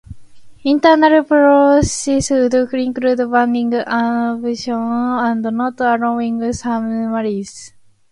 Internal policies would include banning abortion and not allowing same-sex marriages.